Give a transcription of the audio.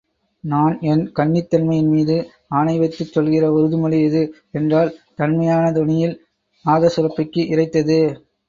நான் என் கன்னித்தன்மையின் மீது ஆணைவைத்துச் சொல்கிற உறுதிமொழி இது!... என்றாள் தன்மையான தொனியில், நாதசுரபிக்கு இரைத்தது.